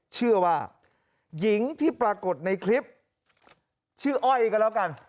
เชื่อว่าหญิงที่ปรากฏในคลิปชื่ออ้อยก็แล้วกัน